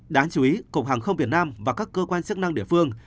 đáng chú ý cộng hàng không việt nam và các cơ quan sức năng địa phương